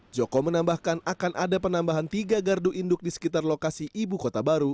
joko menambahkan akan ada penambahan tiga gardu induk di sekitar lokasi ibu kota baru